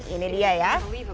ini dia ya